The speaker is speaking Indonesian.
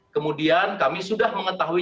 kemudian kami sudah mengetahui